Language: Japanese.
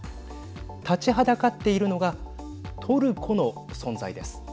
立ちはだかっているのがトルコの存在です。